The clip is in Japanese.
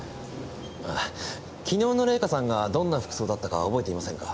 昨日の玲香さんがどんな服装だったか覚えていませんか？